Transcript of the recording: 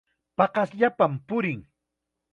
Paqasllapam purin.